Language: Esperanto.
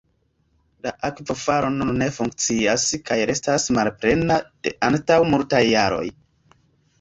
La akvofalo nun ne funkcias kaj restas malplena de antaŭ multaj jaroj.